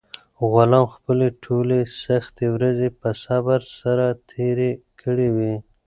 غلام خپلې ټولې سختې ورځې په صبر سره تېرې کړې وې.